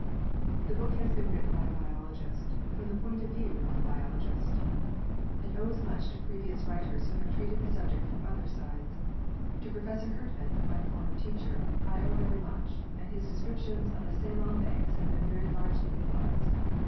The book has been written by a biologist, from the point of view of, a biologist, vi PREFACE and owes much to previous writers who have treated the subject from other sides. To Professor Herd man, my former teacher, I owe very much, and his descriptions of the Ceylon banks have been very largely utilised.